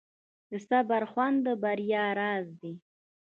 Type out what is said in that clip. د صبر خوند د بریا راز دی.